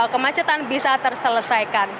kemacetan bisa terselesaikan